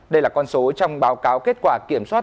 đây là con số trong báo cáo kết quả kiểm soát